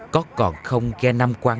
có còn không ghe nam quang